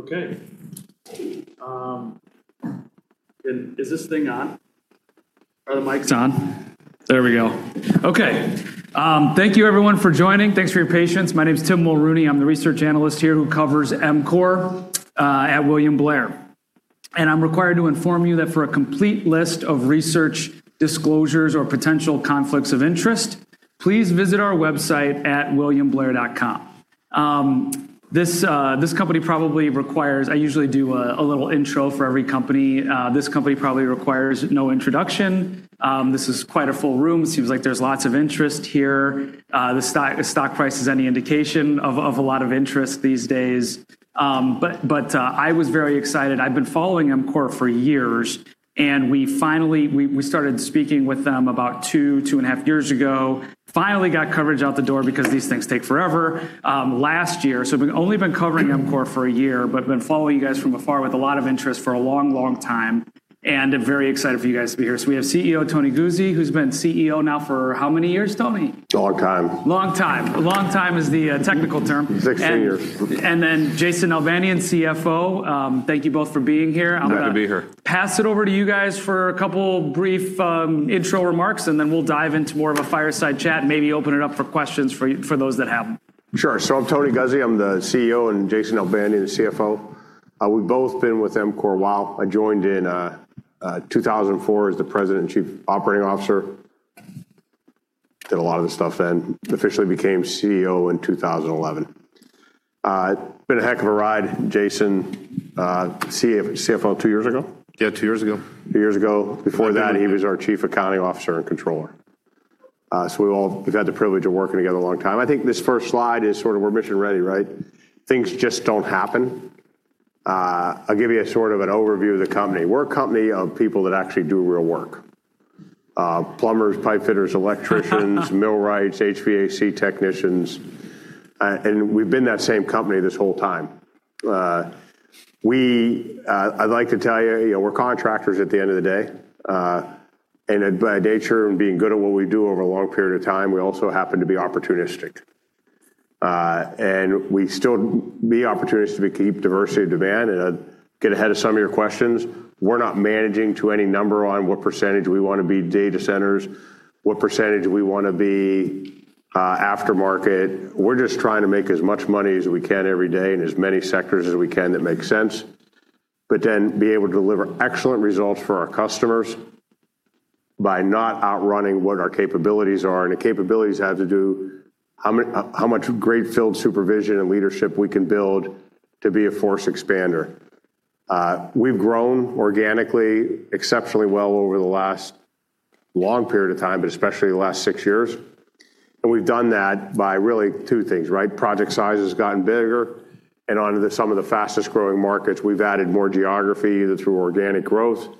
Okay. Is this thing on? Are the mics on? There we go. Okay. Thank you everyone for joining. Thanks for your patience. My name's Tim Mulrooney. I'm the research analyst here who covers EMCOR at William Blair. I'm required to inform you that for a complete list of research disclosures or potential conflicts of interest, please visit our website at williamblair.com. I usually do a little intro for every company. This company probably requires no introduction. This is quite a full room. Seems like there's lots of interest here. The stock price is any indication of a lot of interest these days. I was very excited. I've been following EMCOR for years, and we started speaking with them about two and a half years ago. Finally got coverage out the door, because these things take forever, last year. We've only been covering EMCOR for a year, but have been following you guys from afar with a lot of interest for a long, long time. I'm very excited for you guys to be here. We have CEO Tony Guzzi, who's been CEO now for how many years, Tony? A long time. Long time. A long time is the technical term. Six years. Jason Nalbandian, CFO. Thank you both for being here. Glad to be here. I'm going to pass it over to you guys for a couple brief intro remarks, and then we'll dive into more of a fireside chat and maybe open it up for questions for those that have them. Sure. I'm Tony Guzzi, I'm the CEO, and Jason Nalbandian, the CFO. We've both been with EMCOR a while. I joined in 2004 as the President and Chief Operating Officer. Did a lot of the stuff then. Officially became CEO in 2011. Been a heck of a ride. Jason, CFO two years ago? Yeah, two years ago. Two years ago. Before that, he was our chief accounting officer and controller. We've had the privilege of working together a long time. I think this first slide is sort of we're mission ready, right? Things just don't happen. I'll give you a sort of an overview of the company. We're a company of people that actually do real work. Plumbers, pipe fitters, electricians, millwrights, HVAC technicians. We've been that same company this whole time. I'd like to tell you, we're contractors at the end of the day. By nature and being good at what we do over a long period of time, we also happen to be opportunistic. We still be opportunistic to keep diversity of demand and get ahead of some of your questions. We're not managing to any number on what percentage we want to be data centers, what percentage we want to be aftermarket. We're just trying to make as much money as we can every day and as many sectors as we can that make sense, but then be able to deliver excellent results for our customers by not outrunning what our capabilities are. The capabilities have to do how much great field supervision and leadership we can build to be a force expander. We've grown organically exceptionally well over the last long period of time, but especially the last six years, and we've done that by really two things, right? Project size has gotten bigger, and onto some of the fastest-growing markets, we've added more geography through organic growth.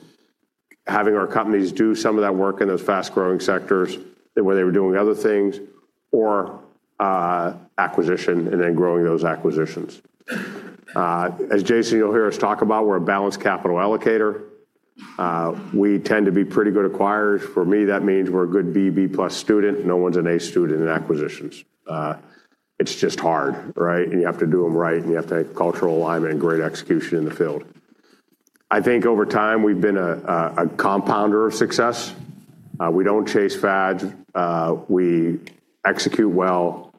Having our companies do some of that work in those fast-growing sectors where they were doing other things or acquisition and then growing those acquisitions. As Jason Nalbandian, you'll hear us talk about, we're a balanced capital allocator. We tend to be pretty good acquirers. For me, that means we're a good B+ student. No one's an A student in acquisitions. It's just hard, right? You have to do them right, and you have to have cultural alignment and great execution in the field. I think over time, we've been a compounder of success. We don't chase fads. We execute well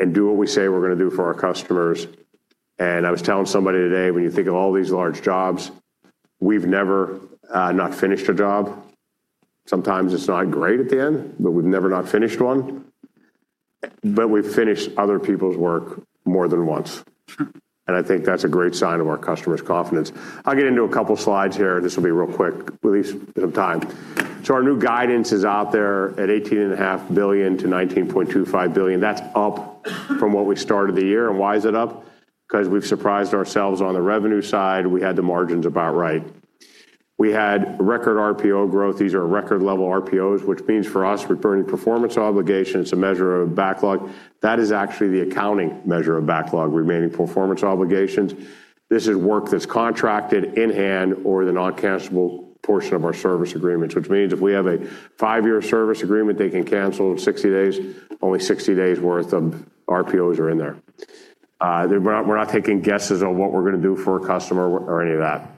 and do what we say we're going to do for our customers. I was telling somebody today, when you think of all these large jobs, we've never not finished a job. Sometimes it's not great at the end, but we've never not finished one. We've finished other people's work more than once. I think that's a great sign of our customers' confidence. I'll get into a couple slides here. This will be real quick. We'll leave some time. Our new guidance is out there at $18.5 billion-$19.25 billion. That's up from what we started the year. Why is it up? Because we've surprised ourselves on the revenue side. We had the margins about right. We had record RPO growth. These are record level RPOs, which means for us, Remaining Performance Obligation, it's a measure of backlog. That is actually the accounting measure of backlog, Remaining Performance Obligations. This is work that's contracted in hand or the non-cancelable portion of our service agreements, which means if we have a five-year service agreement, they can cancel in 60 days. Only 60 days worth of RPOs are in there. We're not taking guesses on what we're going to do for a customer or any of that.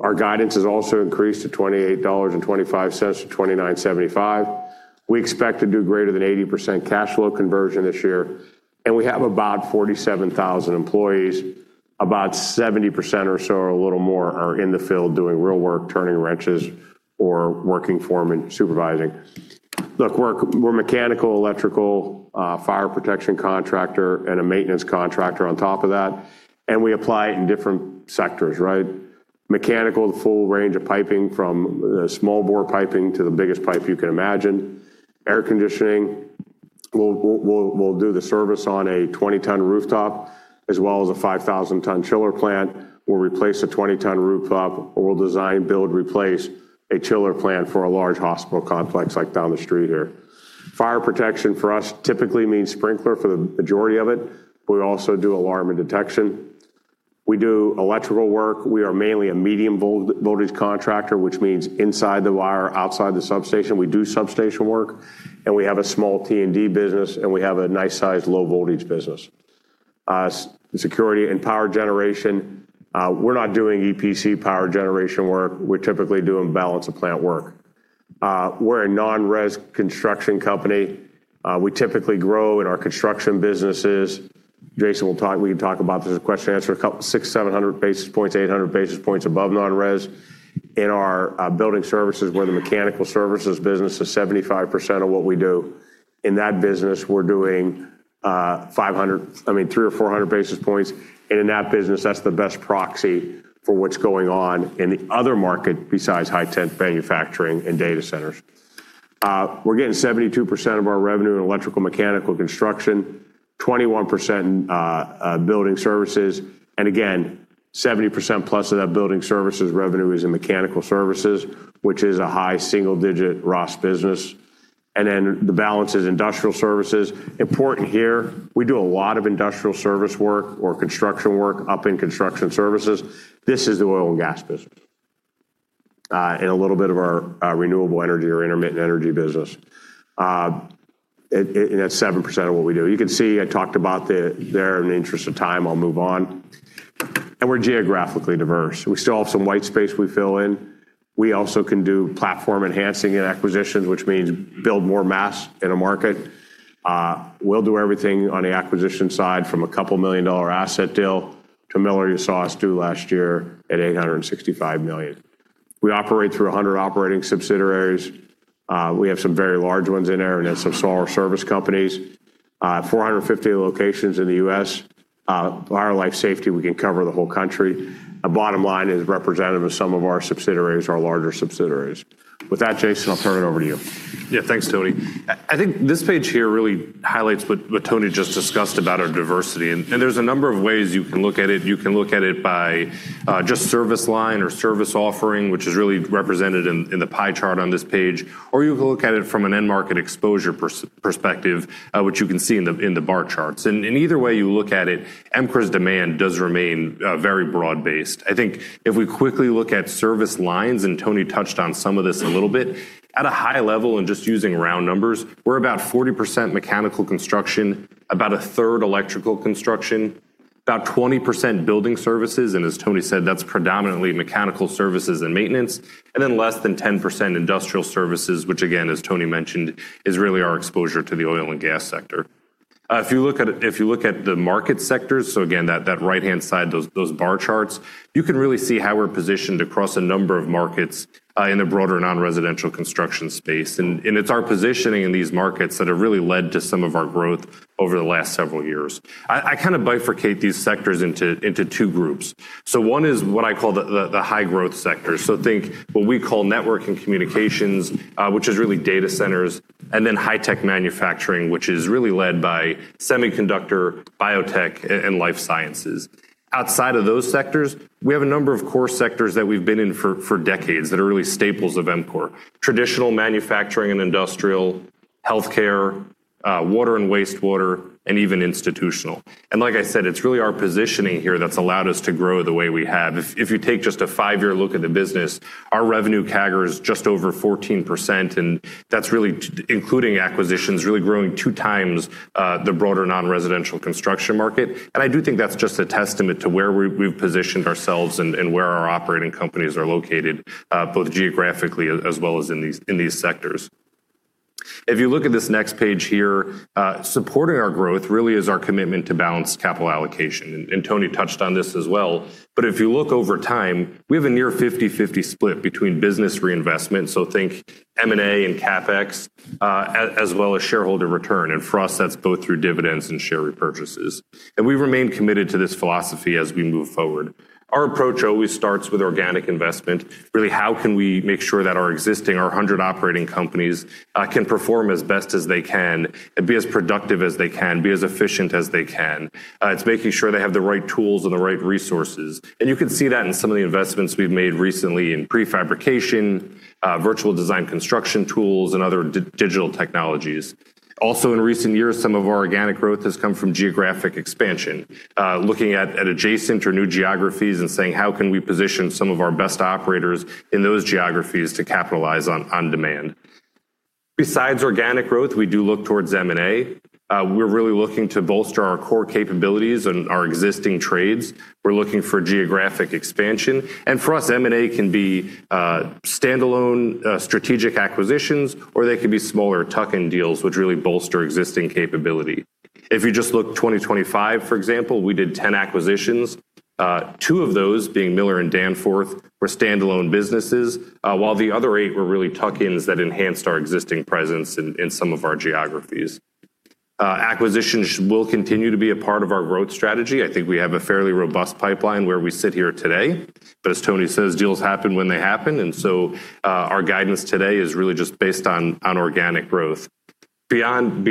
Our guidance has also increased to $28.25-$29.75. We expect to do greater than 80% cash flow conversion this year, and we have about 47,000 employees. About 70% or so, or a little more, are in the field doing real work, turning wrenches or working foreman supervising. Look, we're mechanical, electrical, fire protection contractor, and a maintenance contractor on top of that, and we apply it in different sectors, right? Mechanical, the full range of piping from small bore piping to the biggest pipe you can imagine. Air conditioning, we'll do the service on a 20-ton rooftop as well as a 5,000-ton chiller plant. We'll replace a 20-ton rooftop, or we'll design, build, replace a chiller plant for a large hospital complex like down the street here. Fire protection for us typically means sprinkler for the majority of it. We also do alarm and detection. We do electrical work. We are mainly a medium voltage contractor, which means inside the wire, outside the substation. We do substation work, and we have a small T&D business, and we have a nice sized low voltage business. Security and power generation. We're not doing EPC power generation work. We're typically doing balance-of-plant work. We're a non-res construction company. We typically grow in our construction businesses. Jason, we can talk about this in question and answer, 600 basis points, 700 basis points, 800 basis points above non-res. In our building services, where the mechanical services business is 75% of what we do. In that business, we're doing 300 or 400 basis points. In that business, that's the best proxy for what's going on in the other market besides high-tech manufacturing and data centers. We're getting 72% of our revenue in electrical mechanical construction, 21% in building services. Again, 70%+ of that building services revenue is in mechanical services, which is a high single-digit ROS business. Then the balance is industrial services. Important here, we do a lot of industrial service work or construction work up in construction services. This is the oil and gas business, and a little bit of our renewable energy or intermittent energy business. That's 7% of what we do. You can see I talked about it there. In the interest of time, I'll move on. We're geographically diverse. We still have some white space we fill in. We also can do platform enhancing and acquisitions, which means build more mass in a market. We'll do everything on the acquisition side from a couple million-dollar asset deal to Miller you saw us do last year at $865 million. We operate through 100 operating subsidiaries. We have some very large ones in there, and then some smaller service companies. 450 locations in the U.S. Fire life safety, we can cover the whole country. Our bottom line is representative of some of our subsidiaries, our larger subsidiaries. With that, Jason, I'll turn it over to you. Yeah, thanks, Tony. I think this page here really highlights what Tony just discussed about our diversity. There's a number of ways you can look at it. You can look at it by just service line or service offering, which is really represented in the pie chart on this page. You can look at it from an end market exposure perspective, which you can see in the bar charts. Either way you look at it, EMCOR's demand does remain very broad-based. I think if we quickly look at service lines, and Tony touched on some of this a little bit. At a high level and just using round numbers, we're about 40% mechanical construction, about a 1/3 electrical construction, about 20% building services, and as Tony said, that's predominantly mechanical services and maintenance, and then less than 10% industrial services, which again, as Tony mentioned, is really our exposure to the oil and gas sector. Again, that right-hand side, those bar charts, you can really see how we're positioned across a number of markets in the broader non-residential construction space. It's our positioning in these markets that have really led to some of our growth over the last several years. I kind of bifurcate these sectors into two groups. One is what I call the high-growth sector. Think what we call network and communications, which is really data centers, and then high-tech manufacturing, which is really led by semiconductor, biotech, and life sciences. Outside of those sectors, we have a number of core sectors that we've been in for decades that are really staples of EMCOR. Traditional manufacturing and industrial, healthcare, water and wastewater, and even institutional. Like I said, it's really our positioning here that's allowed us to grow the way we have. If you take just a five-year look at the business, our revenue CAGR is just over 14%, and that's really including acquisitions, really growing 2x the broader non-residential construction market. I do think that's just a testament to where we've positioned ourselves and where our operating companies are located, both geographically as well as in these sectors. If you look at this next page here, supporting our growth really is our commitment to balanced capital allocation. Tony touched on this as well. If you look over time, we have a near 50/50 split between business reinvestment, so think M&A and CapEx, as well as shareholder return. For us, that's both through dividends and share repurchases. We remain committed to this philosophy as we move forward. Our approach always starts with organic investment. Really, how can we make sure that our existing, our 100 operating companies, can perform as best as they can and be as productive as they can, be as efficient as they can? It's making sure they have the right tools and the right resources. You can see that in some of the investments we've made recently in prefabrication, Virtual Design and Construction tools, and other digital technologies. Also, in recent years, some of our organic growth has come from geographic expansion. Looking at adjacent or new geographies and saying, "How can we position some of our best operators in those geographies to capitalize on demand?" Besides organic growth, we do look towards M&A. We're really looking to bolster our core capabilities and our existing trades. We're looking for geographic expansion. For us, M&A can be standalone strategic acquisitions, or they can be smaller tuck-in deals, which really bolster existing capability. If you just look 2025, for example, we did 10 acquisitions. Two of those, being Miller and Danforth, were standalone businesses, while the other eight were really tuck-ins that enhanced our existing presence in some of our geographies. Acquisitions will continue to be a part of our growth strategy. I think we have a fairly robust pipeline where we sit here today. As Tony says, deals happen when they happen, our guidance today is really just based on organic growth. Beyond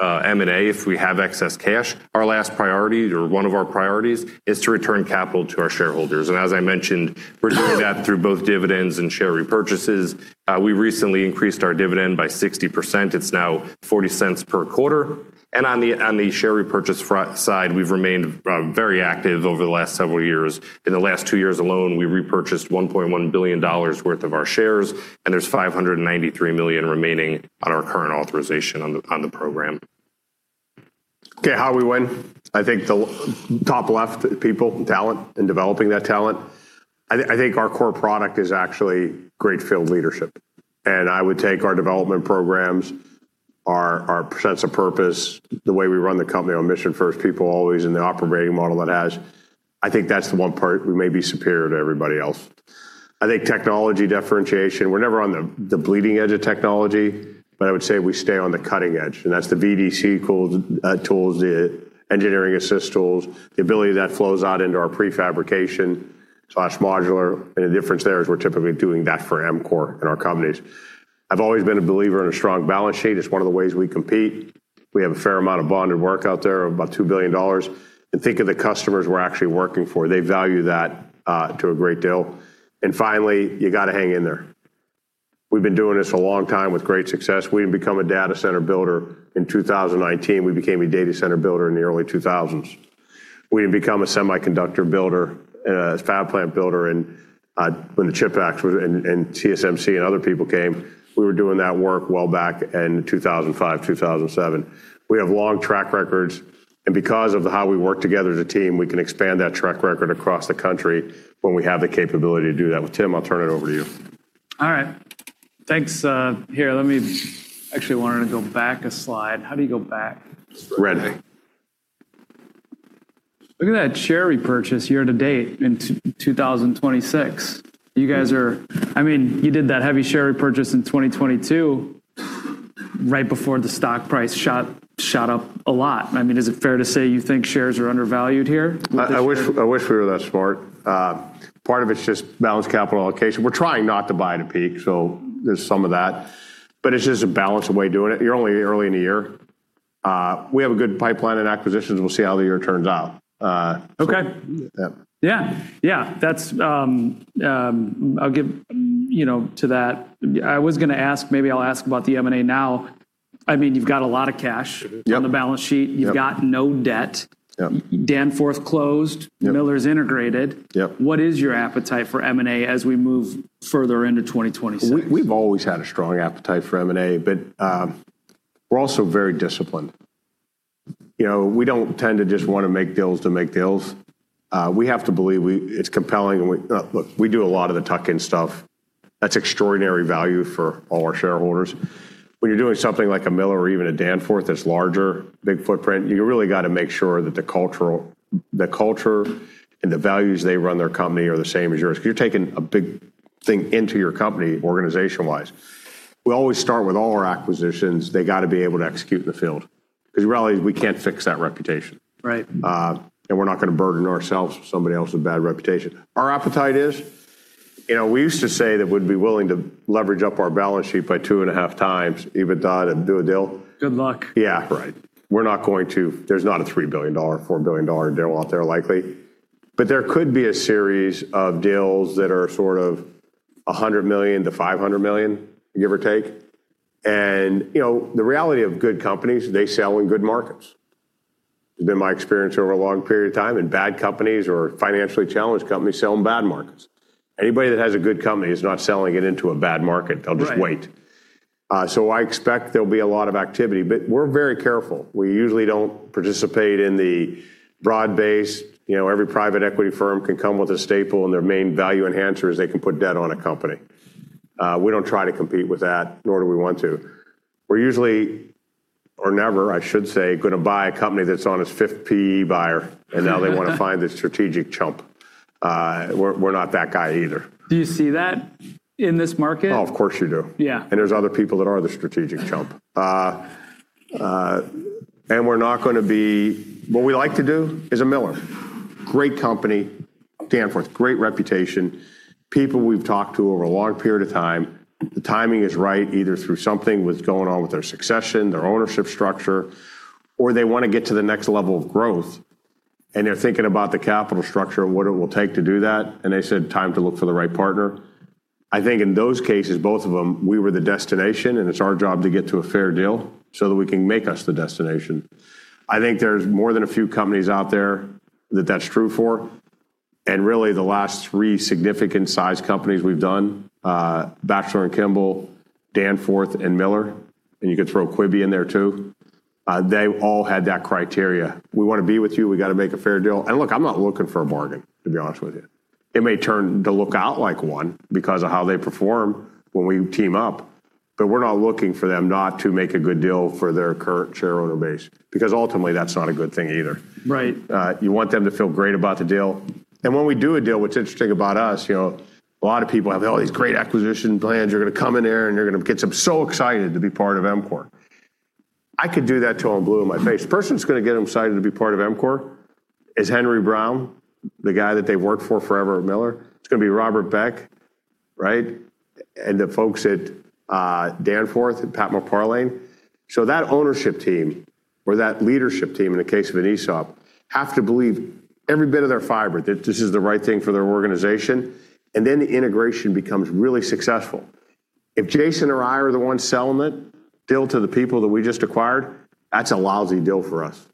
M&A, if we have excess cash, our last priority, or one of our priorities, is to return capital to our shareholders. As I mentioned, we're doing that through both dividends and share repurchases. We recently increased our dividend by 60%. It's now $0.40 per quarter. On the share repurchase side, we've remained very active over the last several years. In the last two years alone, we repurchased $1.1 billion worth of our shares, and there's $593 million remaining on our current authorization on the program. Okay, how we win. I think the top left, people, talent, developing that talent. I think our core product is actually great field leadership. I would take our development programs, our sense of purpose, the way we run the company on Mission First, People Always, and the operating model it has. I think that's the one part we may be superior to everybody else. I think technology differentiation, we're never on the bleeding edge of technology, but I would say we stay on the cutting edge, that's the VDC tools, the design-assist tools, the ability that flows out into our prefabrication/modular. The difference there is we're typically doing that for EMCOR and our companies. I've always been a believer in a strong balance sheet. It's one of the ways we compete. We have a fair amount of bonded work out there, about $2 billion. Think of the customers we're actually working for. They value that to a great deal. Finally, you got to hang in there. We've been doing this a long time with great success. We didn't become a data center builder in 2019. We became a data center builder in the early 2000s. We didn't become a semiconductor builder, a fab plant builder when the CHIPS Act and TSMC and other people came. We were doing that work well back in 2005, 2007. We have long track records, and because of how we work together as a team, we can expand that track record across the country when we have the capability to do that. With Tim, I'll turn it over to you. All right, thanks. Here, I actually wanted to go back a slide. How do you go back? It's red. Look at that share repurchase year to date in 2026. You did that heavy share repurchase in 2022 right before the stock price shot up a lot. Is it fair to say you think shares are undervalued here? I wish we were that smart. Part of it's just balanced capital allocation. We're trying not to buy at a peak, so there's some of that. It's just a balanced way of doing it. You're only early in the year. We have a good pipeline in acquisitions. We'll see how the year turns out. Okay. Yeah. Yeah. To that, I was going to ask, maybe I'll ask about the M&A now. You've got a lot of cash. Yep on the balance sheet. Yep. You've got no debt. Yep. Danforth closed. Yep. Miller's integrated. Yep. What is your appetite for M&A as we move further into 2026? We've always had a strong appetite for M&A. We're also very disciplined. We don't tend to just want to make deals to make deals. We have to believe it's compelling. Look, we do a lot of the tuck-in stuff. That's extraordinary value for all our shareholders. When you're doing something like a Miller or even a Danforth that's larger, big footprint, you really got to make sure that the culture and the values they run their company are the same as yours, because you're taking a big thing into your company, organization-wise. We always start with all our acquisitions, they got to be able to execute in the field. The reality is we can't fix that reputation. Right. We're not going to burden ourselves with somebody else's bad reputation. Our appetite is, we used to say that we'd be willing to leverage up our balance sheet by two and a half times EBITDA to do a deal. Good luck. Yeah, right. We're not going to. There's not a $3 billion, $4 billion deal out there, likely. There could be a series of deals that are sort of $100 million-$500 million, give or take. The reality of good companies, they sell in good markets. It's been my experience over a long period of time. Bad companies or financially challenged companies sell in bad markets. Anybody that has a good company is not selling it into a bad market. They'll just wait. Right. I expect there'll be a lot of activity. We're very careful. We usually don't participate in the broad-based, every private equity firm can come with a staple, and their main value enhancer is they can put debt on a company. We don't try to compete with that, nor do we want to. We're usually, or never, I should say, going to buy a company that's on its fifth PE buyer, and now they want to find a strategic chump. We're not that guy either. Do you see that in this market? Oh, of course you do. Yeah. There's other people that are the strategic chump. What we like to do is a Miller. Great company. Danforth, great reputation. People we've talked to over a long period of time. The timing is right, either through something was going on with their succession, their ownership structure, or they want to get to the next level of growth, and they're thinking about the capital structure and what it will take to do that, and they said, "Time to look for the right partner." I think in those cases, both of them, we were the destination, and it's our job to get to a fair deal so that we can make us the destination. I think there's more than a few companies out there that that's true for. The last three significant size companies we've done, Batchelor & Kimball, Danforth, and Miller, you could throw Quibi in there, too. They all had that criteria. We want to be with you. We got to make a fair deal. Look, I'm not looking for a bargain, to be honest with you. It may turn to look out like one because of how they perform when we team up, but we're not looking for them not to make a good deal for their current shareowner base, because ultimately, that's not a good thing either. Right. You want them to feel great about the deal. When we do a deal, what's interesting about us, a lot of people have all these great acquisition plans. You're going to come in there and you're going to get them so excited to be part of EMCOR. I could do that till I'm blue in my face. The person that's going to get them excited to be part of EMCOR is Henry Brown, the guy that they worked for forever at Miller. It's going to be Robert Beck, right? The folks at Danforth and Pat McParlane. That ownership team, or that leadership team, in the case of an ESOP, have to believe every bit of their fiber that this is the right thing for their organization, and then the integration becomes really successful. If Jason or I are the ones selling that deal to the people that we just acquired, that's a lousy deal for us.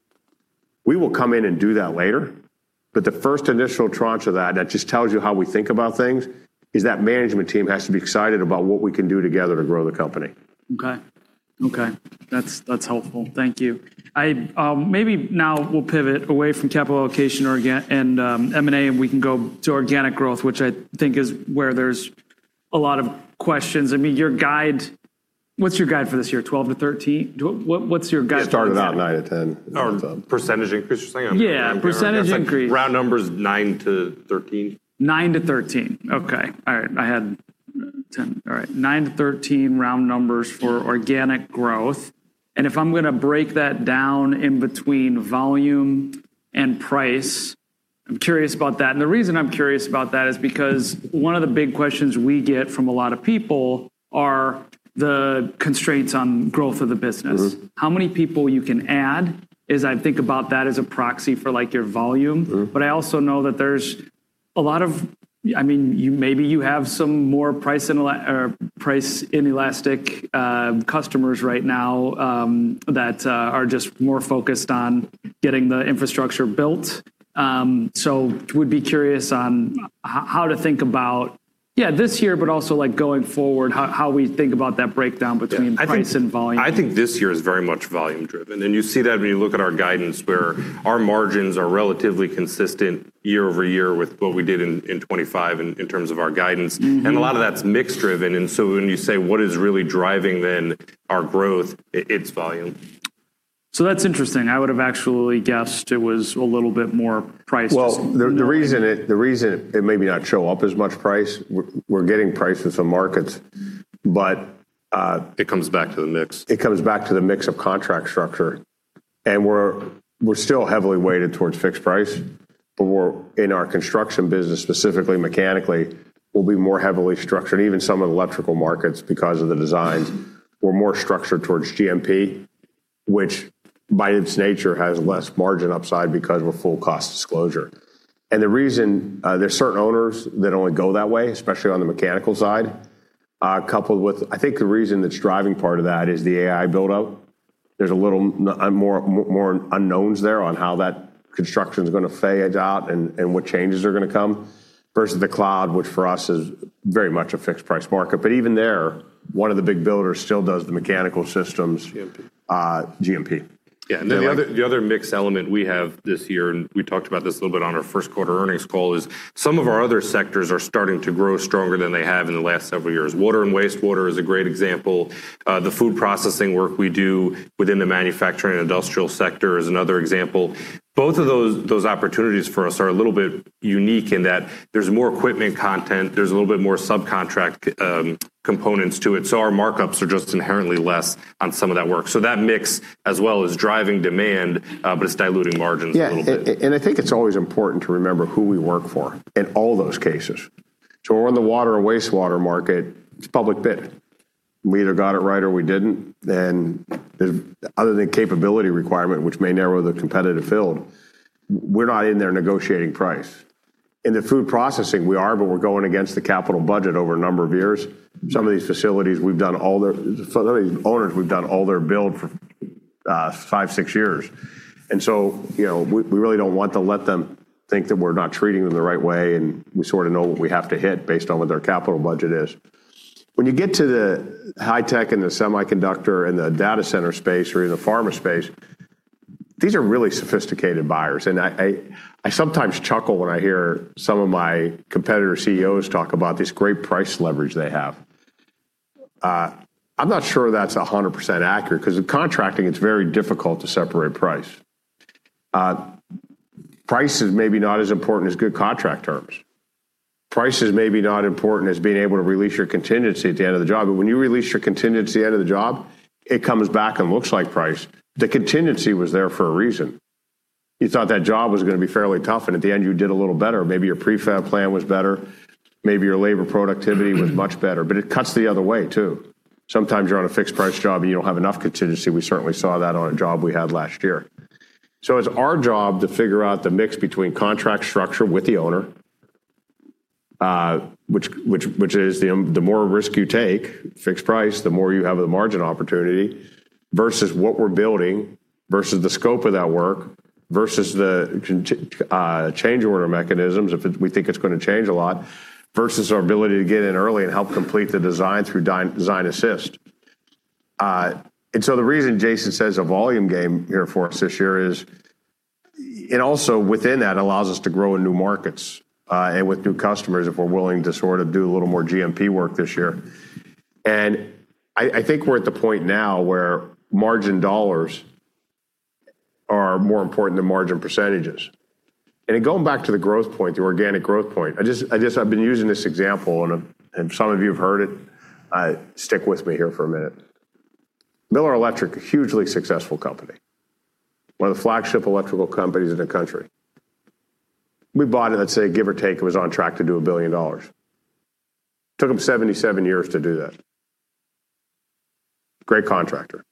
We will come in and do that later. The first initial tranche of that just tells you how we think about things, is that management team has to be excited about what we can do together to grow the company. Okay. That's helpful. Thank you. Maybe now we'll pivot away from capital allocation and M&A, and we can go to organic growth, which I think is where there's a lot of questions. What's your guide for this year? 12%-13%? What's your guide for that? We started out 9%-10%. Percentage increase, you're saying? Yeah, percentage increase. Round number's 9%-13%. 9%-13%. Okay. All right. I had 10%. All right. 9%-13% round numbers for organic growth. If I'm going to break that down in between volume and price, I'm curious about that. The reason I'm curious about that is because one of the big questions we get from a lot of people are the constraints on growth of the business. How many people you can add, as I think about that as a proxy for your volume. I also know that maybe you have some more price inelastic customers right now, that are just more focused on getting the infrastructure built. Would be curious on how to think about, yeah, this year, but also going forward, how we think about that breakdown between price and volume. I think this year is very much volume driven, and you see that when you look at our guidance where our margins are relatively consistent year-over-year with what we did in 2025 in terms of our guidance. A lot of that's mix driven, and so when you say what is really driving then our growth, it's volume. That's interesting. I would've actually guessed it was a little bit more price- Well, the reason it may not show up as much price, we're getting prices from markets. It comes back to the mix. It comes back to the mix of contract structure. We're still heavily weighted towards fixed-price, but in our construction business, specifically mechanically, we'll be more heavily structured, even some of the electrical markets because of the designs, we're more structured towards GMP, which by its nature has less margin upside because of a full cost disclosure. The reason there's certain owners that only go that way, especially on the mechanical side, coupled with, I think the reason that's driving part of that is the AI buildup. There's a little more unknowns there on how that construction's going to fade out and what changes are going to come versus the cloud, which for us is very much a fixed-price market. Even there, one of the big builders still does the mechanical systems. GMP GMP. Yeah. The other mix element we have this year, and we talked about this a little bit on our first quarter earnings call, is some of our other sectors are starting to grow stronger than they have in the last several years. Water and wastewater is a great example. The food processing work we do within the manufacturing and industrial sector is another example. Both of those opportunities for us are a little bit unique in that there's more equipment content, there's a little bit more subcontract components to it, so our markups are just inherently less on some of that work. That mix as well is driving demand, but it's diluting margins a little bit. Yeah. I think it's always important to remember who we work for in all those cases. We're in the water and wastewater market, it's public bid. We either got it right or we didn't, and other than capability requirement, which may narrow the competitive field, we're not in there negotiating price. In the food processing, we are, but we're going against the capital budget over a number of years. Some of these owners, we've done all their build for five, six years. We really don't want to let them think that we're not treating them the right way, and we sort of know what we have to hit based on what their capital budget is. When you get to the high tech and the semiconductor and the data center space, or in the pharma space, these are really sophisticated buyers. I sometimes chuckle when I hear some of my competitor CEOs talk about this great price leverage they have. I'm not sure that's 100% accurate because in contracting it's very difficult to separate price. Price is maybe not as important as good contract terms. Price is maybe not important as being able to release your contingency at the end of the job. When you release your contingency at the end of the job, it comes back and looks like price. The contingency was there for a reason. You thought that job was going to be fairly tough, and at the end you did a little better. Maybe your prefab plan was better, maybe your labor productivity was much better. It cuts the other way, too. Sometimes you're on a fixed-price job and you don't have enough contingency. We certainly saw that on a job we had last year. It's our job to figure out the mix between contract structure with the owner, which is the more risk you take, fixed-price, the more you have the margin opportunity versus what we're building, versus the scope of that work, versus the change order mechanisms if we think it's going to change a lot, versus our ability to get in early and help complete the design through design-assist. The reason Jason says a volume game here for us this year is it also within that allows us to grow in new markets, and with new customers if we're willing to sort of do a little more GMP work this year. I think we're at the point now where margin dollars are more important than margin percentages. In going back to the growth point, the organic growth point, I've been using this example and some of you have heard it. Stick with me here for a minute. Miller Electric, a hugely successful company, one of the flagship electrical companies in the country. We bought it, I'd say give or take, it was on track to do $1 billion. Took them 77 years to do that. Great contractor.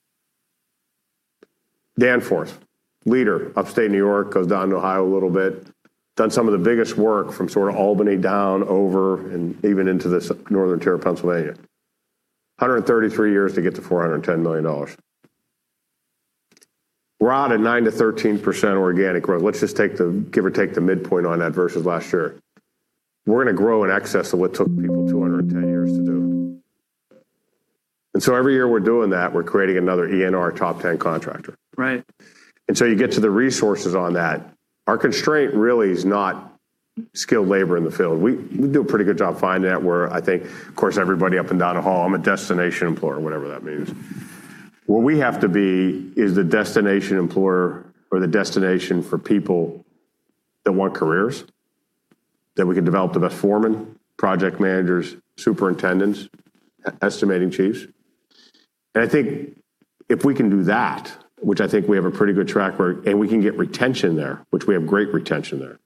Danforth, leader, Upstate New York, goes down to Ohio a little bit, done some of the biggest work from sort of Albany down over and even into the northern tier of Pennsylvania. 133 years to get to $410 million. We're out at 9%-13% organic growth. Let's just give or take the midpoint on that versus last year. We're going to grow in excess of what took people 210 years to do. Every year we're doing that, we're creating another ENR Top 10 contractor. Right. You get to the resources on that. Our constraint really is not skilled labor in the field. We do a pretty good job finding that where I think, of course, everybody up and down a hall, I'm a destination employer, whatever that means. What we have to be is the destination employer or the destination for people that want careers, that we can develop the best foremen, project managers, superintendents, estimating chiefs. I think if we can do that, which I think we have a pretty good track record, and we can get retention there, which we have great retention there,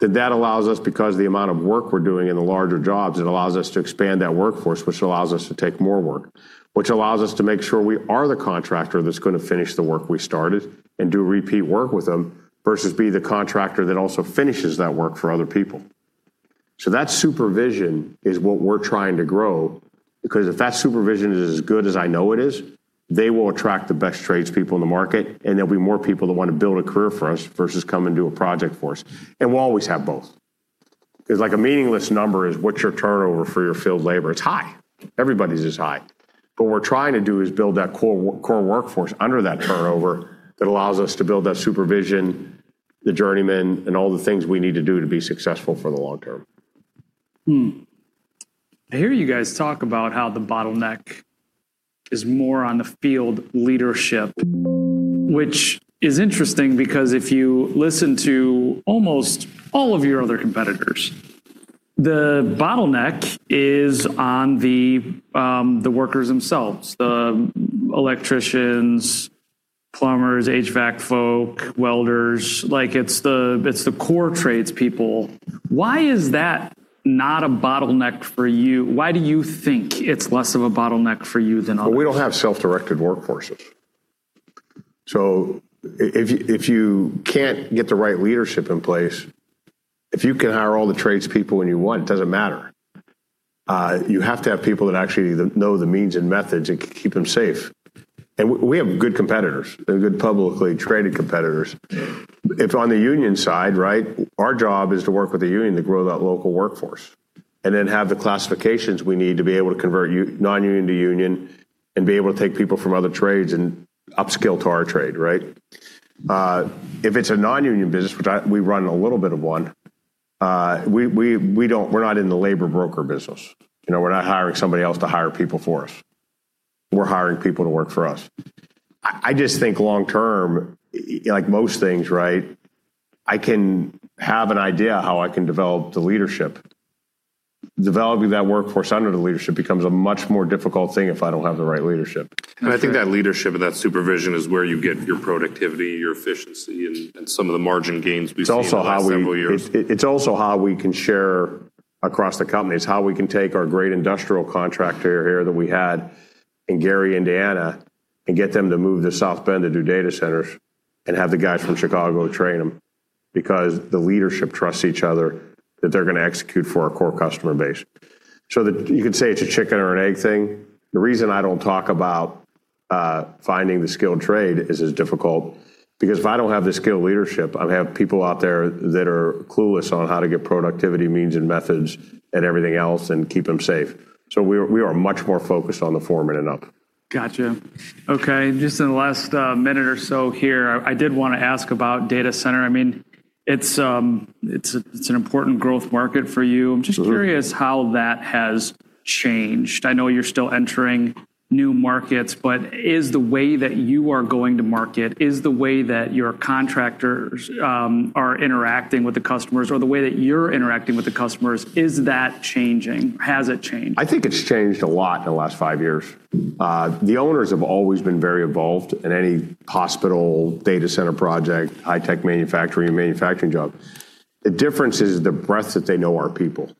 then that allows us, because the amount of work we're doing in the larger jobs, it allows us to expand that workforce, which allows us to take more work. Which allows us to make sure we are the contractor that's going to finish the work we started and do repeat work with them versus be the contractor that also finishes that work for other people. That supervision is what we're trying to grow, because if that supervision is as good as I know it is, they will attract the best tradespeople in the market, and there'll be more people that want to build a career for us versus come and do a project for us. We'll always have both. A meaningless number is what's your turnover for your field labor. It's high. Everybody's is high. What we're trying to do is build that core workforce under that turnover that allows us to build that supervision, the journeymen, and all the things we need to do to be successful for the long term. I hear you guys talk about how the bottleneck is more on the field leadership, which is interesting because if you listen to almost all of your other competitors, the bottleneck is on the workers themselves, the electricians, plumbers, HVAC folk, welders. It's the core tradespeople. Why is that not a bottleneck for you? Why do you think it's less of a bottleneck for you than others? We don't have self-directed workforces. If you can't get the right leadership in place, if you can hire all the tradespeople when you want, it doesn't matter. You have to have people that actually know the means and methods and can keep them safe. We have good competitors and good publicly traded competitors. On the union side, our job is to work with the union to grow that local workforce, and then have the classifications we need to be able to convert non-union to union and be able to take people from other trades and up-skill to our trade. It's a non-union business, which we run a little bit of one, we're not in the labor broker business. We're not hiring somebody else to hire people for us. We're hiring people to work for us. I just think long term, like most things, I can have an idea how I can develop the leadership. Developing that workforce under the leadership becomes a much more difficult thing if I don't have the right leadership. That's right. I think that leadership and that supervision is where you get your productivity, your efficiency, and some of the margin gains we've seen over the last several years. It's also how we can share across the company. It's how we can take our great industrial contractor here that we had in Gary, Indiana, and get them to move to South Bend to do data centers and have the guys from Chicago train them because the leadership trusts each other that they're going to execute for our core customer base. You could say it's a chicken or an egg thing. The reason I don't talk about finding the skilled trade is as difficult, because if I don't have the skilled leadership, I'm going to have people out there that are clueless on how to get productivity means and methods and everything else and keep them safe. We are much more focused on the foreman and up. Got you. Okay, just in the last minute or so here, I did want to ask about data center. It's an important growth market for you. Absolutely. I'm just curious how that has changed. I know you're still entering new markets, but is the way that you are going to market, is the way that your contractors are interacting with the customers, or the way that you're interacting with the customers, is that changing? Has it changed? I think it's changed a lot in the last five years. The owners have always been very involved in any hospital, data center project, high-tech manufacturing, and manufacturing job. The difference is the breadth that they know our people.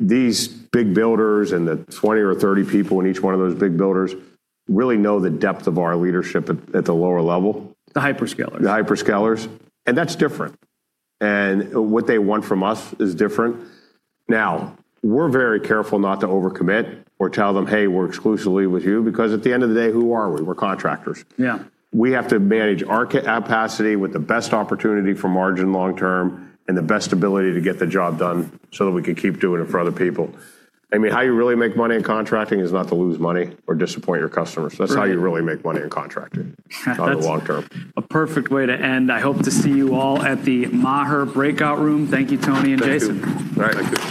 These big builders and the 20 or 30 people in each one of those big builders really know the depth of our leadership at the lower level. The hyperscalers. The hyperscalers. That's different. What they want from us is different. Now, we're very careful not to overcommit or tell them, "Hey, we're exclusively with you," because at the end of the day, who are we? We're contractors. Yeah. We have to manage our capacity with the best opportunity for margin long term and the best ability to get the job done so that we can keep doing it for other people. How you really make money in contracting is not to lose money or disappoint your customers. Right. That's how you really make money in contracting, on the long term. That's a perfect way to end. I hope to see you all at the Maher breakout room. Thank you, Tony and Jason. Thank you. All right. Thank you.